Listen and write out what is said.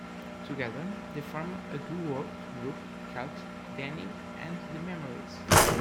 Together they formed a doo-wop group called Danny and the Memories.